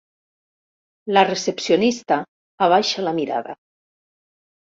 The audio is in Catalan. La recepcionista abaixa la mirada.